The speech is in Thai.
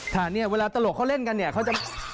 เนี่ยเวลาตลกเขาเล่นกันเนี่ยเขาจะ